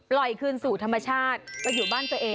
คืนสู่ธรรมชาติไปอยู่บ้านตัวเอง